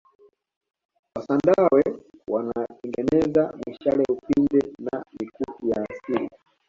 wasandawe wanatengeneza mishale upinde na mikuki ya asili